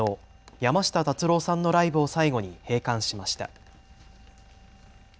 山下達郎さんのライブを最後に閉館しました。